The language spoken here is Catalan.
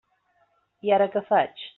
I ara què faig?